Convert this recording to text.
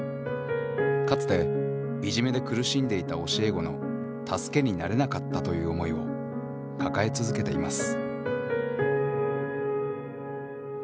かつていじめで苦しんでいた教え子の助けになれなかったという思いを抱え続けています。